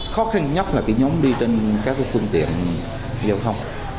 khó khăn nhất là cái nhóm đi trên các phương tiện giao thông